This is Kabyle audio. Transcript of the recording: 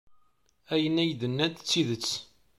Ayen ay d-nnant d tidet.